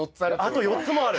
あと４つもある！